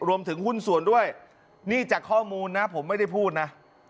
รวมถึงหุ้นส่วนด้วยนี่จากข้อมูลนะผมไม่ได้พูดนะ